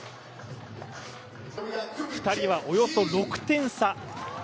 ２人はおよそ６点差。